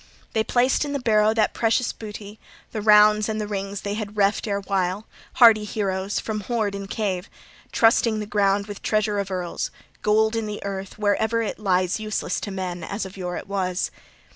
They placed in the barrow that precious booty, the rounds and the rings they had reft erewhile, hardy heroes, from hoard in cave, trusting the ground with treasure of earls, gold in the earth, where ever it lies useless to men as of yore it was.